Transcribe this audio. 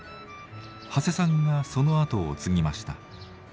長谷さんがその後を継ぎました。